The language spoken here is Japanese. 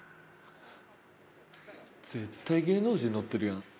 絶対芸能人乗ってるやん。